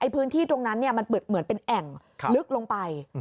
พื้นที่ตรงนั้นมันเหมือนเป็นแอ่งลึกลงไป